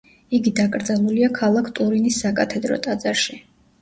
იგი დაკრძალულია ქალაქ ტურინის საკათედრო ტაძარში.